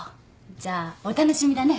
じゃお楽しみだね。